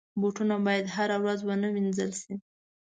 بوټونه باید هره ورځ ونه وینځل شي.